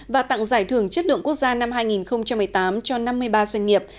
và tặng giải thưởng chất lượng quốc gia năm hai nghìn một mươi tám cho năm mươi ba doanh nghiệp